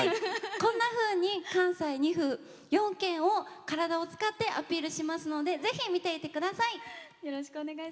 こんなふうに関西２府４県を体を使ってアピールしますのでぜひ、見てください。